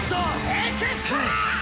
「エクストラ！」